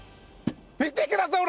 見てください！